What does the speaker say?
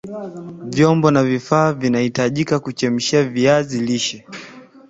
Vyombo na vifaa vinavyahitajika kuchemshia viazi lishe